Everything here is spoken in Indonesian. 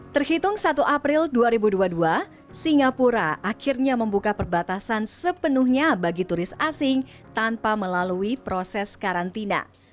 terhitung satu april dua ribu dua puluh dua singapura akhirnya membuka perbatasan sepenuhnya bagi turis asing tanpa melalui proses karantina